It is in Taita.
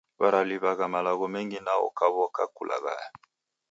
Waraliw'a malagho mengi nao ukaw'oka kulaghaya.